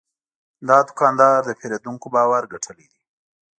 دا دوکاندار د پیرودونکو باور ګټلی دی.